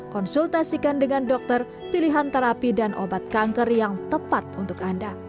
konsultasikan dengan dokter pilihan terapi dan obat kanker yang tepat untuk anda